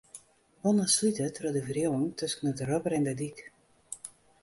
Bannen slite troch de wriuwing tusken it rubber en de dyk.